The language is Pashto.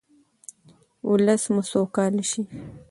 ولس مو سوکاله شي.